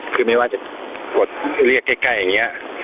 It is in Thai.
คือไม่ว่าจะกดเรียกใกล้อย่างนี้